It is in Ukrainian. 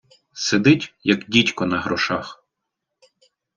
Сидить, як дідько на грошах.